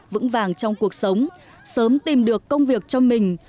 vững vàng trong cuộc sống sớm tìm được công việc cho mình